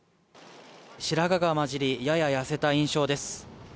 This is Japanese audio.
白髪が交じりやや痩せた印象です。